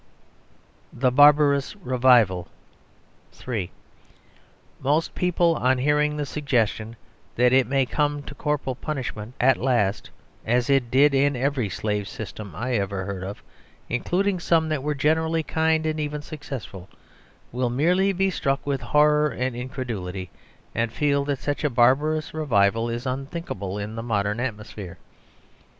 The Barbarous Revival (3) Most people, on hearing the suggestion that it may come to corporal punishment at last (as it did in every slave system I ever heard of, including some that were generally kindly, and even successful), will merely be struck with horror and incredulity, and feel that such a barbarous revival is unthinkable in the modern atmosphere.